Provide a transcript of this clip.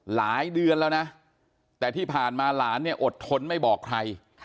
หลายเดือนแล้วนะแต่ที่ผ่านมาหลานเนี่ยอดทนไม่บอกใคร